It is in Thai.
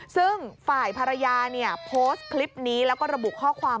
ซึ่งฝ่ายภรรยาเนี่ยโพสต์คลิปนี้แล้วก็ระบุข้อความ